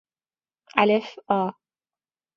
الف آ